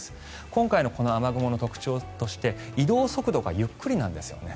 今回のこの雨雲の特徴として移動速度がゆっくりなんですね。